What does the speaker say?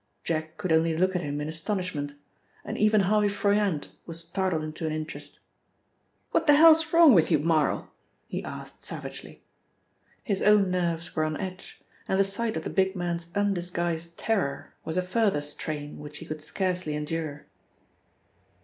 Jack could only look at him in astonishment and even Harvey Froyant was startled into an interest. "What the hell is wrong with you, Marl?" he asked savagely. His own nerves were on edge, and the sight of the big man's undisguised terror was a further strain which he could scarcely endure.